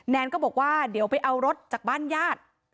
แนนก็บอกว่าเดี๋ยวไปเอารถจากบ้านญาติ